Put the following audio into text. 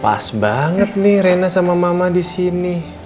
pas banget nih rena sama mama disini